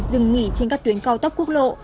dừng nghỉ trên các tuyến cao tốc quốc lộ